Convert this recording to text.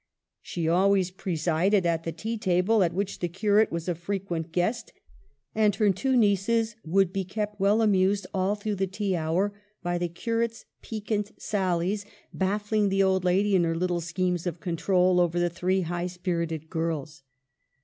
She always presided at the tea table, at which the curate was a frequent guest, and her nieces would be kept well amused all through the tea hour by the curate's piquant sallies, baf fling the old lady in her little schemes of control over the three high spirited girls.